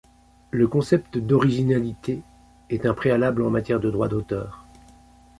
Le concept d'originalité est un préalable en matière de droit d'auteur.